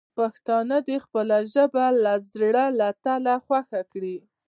پښتانه دې خپله ژبه د زړه له تله خوښه کړي.